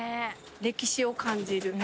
歴史を感じる。